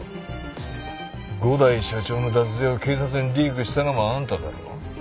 五大社長の脱税を警察にリークしたのもあんただろう？